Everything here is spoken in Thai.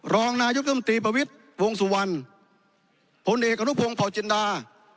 รองนายกตัวมนตรีประวิทย์วงสุวรรณผลเอกกระทรวงเผาจินดา